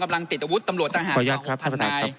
กำลังติดอาวุฒตำหลวดทางหาความปลอดิอะไรขอ